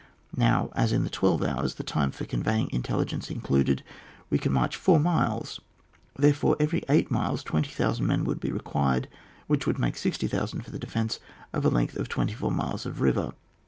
Now as in twelve hours, the time for conveying intelligence included, we can march four miles, therefore every eight miles 20,000 men would be required, which would make 60,000 for the defence of a length of twenty four miles of river.